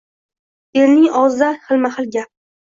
Elning og‘zida xilma-xil gap.